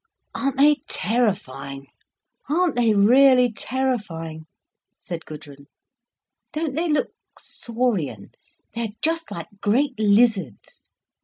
"Aren't they terrifying? Aren't they really terrifying?" said Gudrun. "Don't they look saurian? They are just like great lizards.